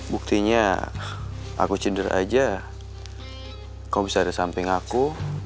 buktinya aku cender aja kau bisa di samping aku